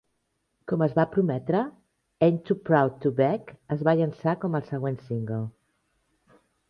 Com es va prometre, "Ain't Too Proud To Beg" es va llançar com el següent single.